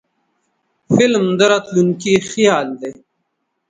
فلم د راتلونکي خیال دی